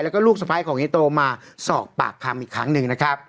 แล้วก็ลูกสะพ้ายของเฮโตมาสอบปากคำอีกครั้งหนึ่งนะครับ